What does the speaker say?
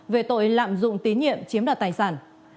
về tội lạm dụng tín nhiệm chiếm đoạt tài sản